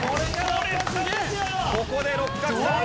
ここで六角さん